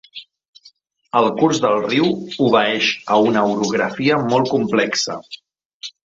El curs del riu obeeix a una orografia molt complexa.